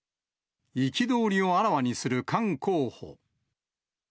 憤りをあらわにする菅候補。